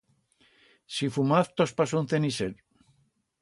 Si fumaz tos paso un ceniser.